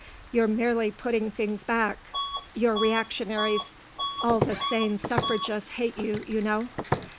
You're merely putting things back; you're reactionaries. All the sane suffragists hate you, you know."